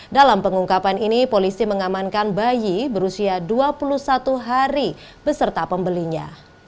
dalam pengungkapan ini polisi mengamankan bayi berusia dua puluh satu hari beserta pembelinya